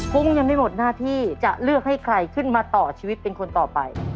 ุ้งยังไม่หมดหน้าที่จะเลือกให้ใครขึ้นมาต่อชีวิตเป็นคนต่อไป